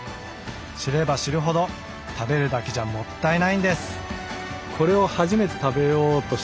知れば知るほど食べるだけじゃもったいないんです。